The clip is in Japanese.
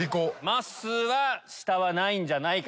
まっすーは下はないんじゃないか。